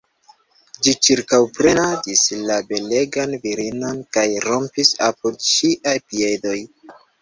Ĝi ĉirkaŭprenadis la belegan virinon kaj rampis apud ŝiaj piedoj.